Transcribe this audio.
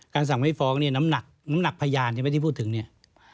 การสั่งไม่ฟ้องเนี่ยน้ำหนักพยานยังไม่ได้พูดถึงเนี่ย